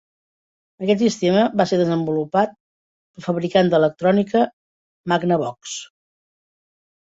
Aquest sistema va ser desenvolupat pel fabricant d'electrònica Magnavox.